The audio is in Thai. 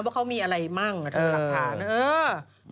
ว่าเขามีอะไรมั่งทางรักฐาน